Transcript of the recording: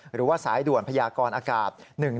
หรือว่าสายด่วนพยากรอากาศ๑๑